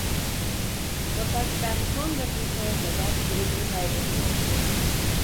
Fakat ben son dakikaya kadar ümidimi kaybetmeyeceğim.